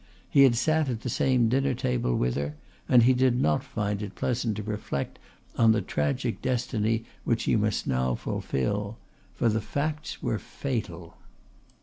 He had sat at the same dinner table with her, and he did not find it pleasant to reflect on the tragic destiny which she must now fulfil. For the facts were fatal.